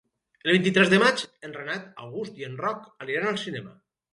El vint-i-tres de maig en Renat August i en Roc aniran al cinema.